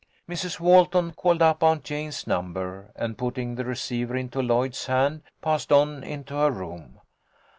Mrs. Walton called up Aunt Jane's number, and, putting the receiver into Lloyd's hand, passed on into her room.